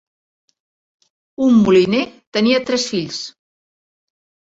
Un moliner tenia tres fills.